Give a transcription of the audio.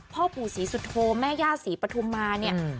พ่อปู่ศรีสุโธแม่ย่าศรีปฐุมมาเนี่ย